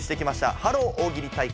ハロー大喜利大会。